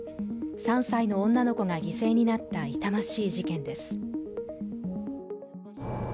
３歳の女の子が犠牲になった痛ましい事件です。